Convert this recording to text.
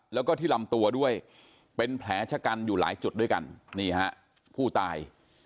แล้วก็ที่ลำตัวด้วยเป็นแผลชะกันอยู่หลายจุดด้วยกันนี่ฮะผู้ตาย